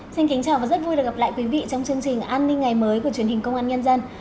xin kính chào và rất vui được gặp lại quý vị trong chương trình an ninh ngày mới của truyền hình công an nhân dân